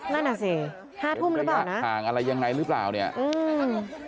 นั่นอ่ะสิห้าทุ่มหรือเปล่านะห่างอะไรยังไงหรือเปล่าเนี่ยอืม